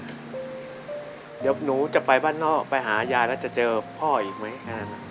เดี๋ยวหนูจะไปบ้านนอกไปหายายแล้วจะเจอพ่ออีกไหมแค่นั้น